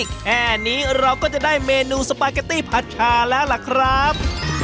แค่นี้เราก็จะได้เมนูสปาเกตตี้ผัดชาแล้วล่ะครับ